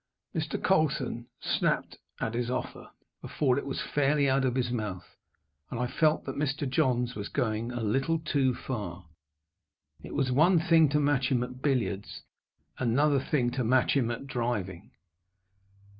Mr. Colson snapped at his offer, before it was fairly out of his mouth, and I felt that Mr. Johns was going a little too far. It was one thing to match him at billiards, another thing to match him at driving.